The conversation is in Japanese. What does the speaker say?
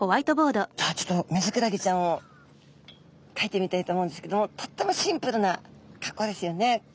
じゃあちょっとミズクラゲちゃんをかいてみたいと思うんですけどもとってもシンプルな格好ですよね。